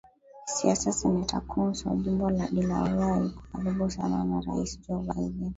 Kisiasa Seneta Coons wa Jimbo la Delaware yuko karibu sana na Rais Joe Biden